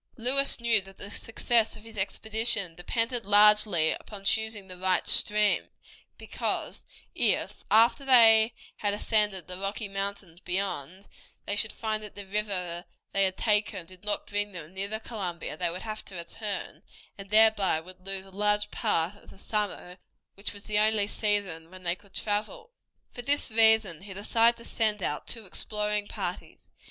Lewis knew that the success of his expedition depended largely upon choosing the right stream, because if, after they had ascended the Rocky Mountains beyond, they should find that the river they had taken did not bring them near the Columbia, they would have to return, and thereby would lose a large part of the summer, which was the only season when they could travel. For this reason he decided to send out two exploring parties.